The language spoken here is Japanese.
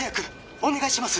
お願いします！